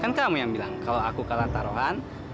kan kamu yang bilang kalau aku kalah taruhan